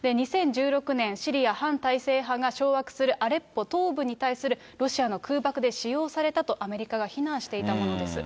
２０１６年、シリア反体制派が掌握するアレッポ東部に対する、ロシアの空爆で使用されたとアメリカが非難していたものです。